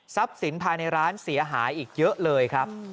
สินภายในร้านเสียหายอีกเยอะเลยครับ